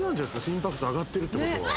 心拍数上がってるってことは。